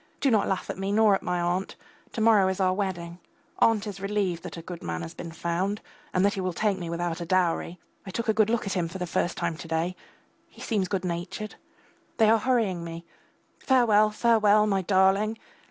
Do not laugh at me nor at my aunt. To morrow is our wedding. Aunt is relieved that a good man has been found, and that he will take me without a dowry. I took a good look at him for the first time to day. He seems good natured. They are hurrying me. Farewell, farewell.... My darling!!